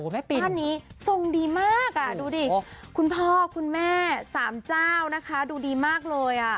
ท่านนี้ทรงดีมากดูดิคุณพ่อคุณแม่สามเจ้านะคะดูดีมากเลยอ่ะ